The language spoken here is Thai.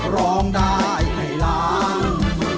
ร้องได้ให้ล้าน